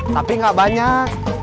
tapi gak banyak